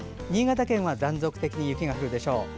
新潟県は断続的に雪が降るでしょう。